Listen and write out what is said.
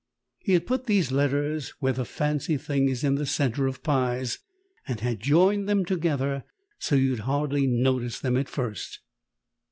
He had put these letters where the fancy thing is in the centre of pies, and had joined them together so you'd hardly notice them at first.